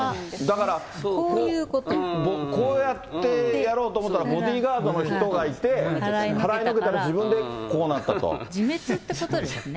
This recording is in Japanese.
だから、こうやってやろうと思ったら、ボディーカードの人がいて、払いのけたから、自分でこ自滅ってことですね。